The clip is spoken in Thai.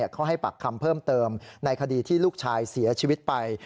เขาให้ปากคำเพิ่มเติมในคดีที่ลูกชายเสียชีวิตไป